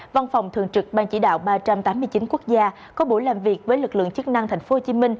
văn phòng thường trực ban chỉ đạo ba trăm tám mươi chín quốc gia có buổi làm việc với lực lượng chức năng tp hcm